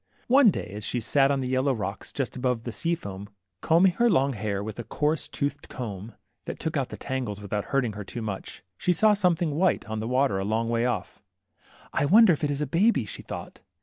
One day, as she sat on the yellow rocks just above the sea foam, combing her long hair with a coarse toothed comb that took out the tangles without hurt ing her too much, she saw something white on the water a long way off. I wonder if it is a baby ?" she thought.